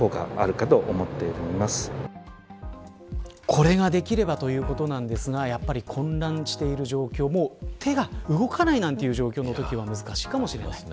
これができればということなんですが混乱している状況で手が動かないという状況のときは難しいかもしれません。